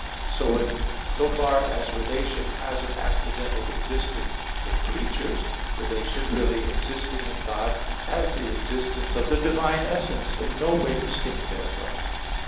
So, in so far as relation has an accidental existence in creatures, relation really existing in God has the existence of the divine essence in no way distinct therefrom.